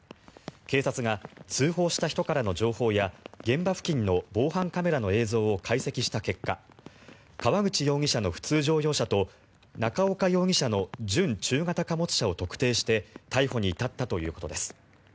警察が通報した人からの情報や現場付近の防犯カメラの映像を解析した結果川口容疑者の普通乗用車と中岡容疑者の準中型貨物車を特定して逮捕に至ったということです。